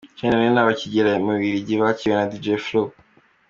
Charly na Nina bakigera mu Bubiligi bakiriwe na Dj Flo.